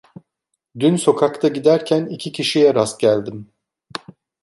Dün sokakta giderken iki kişiye rast geldim.